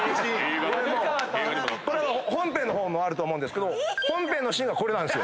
これ本編の方もあると思うんですけど本編のシーンがこれなんですよ。